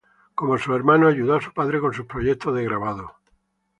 Como sus hermanos, ayudó a su padre con sus proyectos de grabado.